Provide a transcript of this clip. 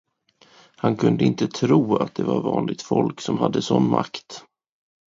Han kunde inte tro, att det var vanligt folk, som hade sådan makt.